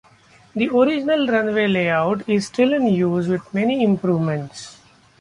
The original runway layout is still in use, with many improvements.